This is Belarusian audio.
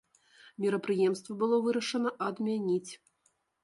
Мерапрыемства было вырашана адмяніць.